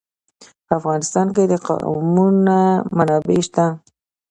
په افغانستان کې د قومونه منابع شته.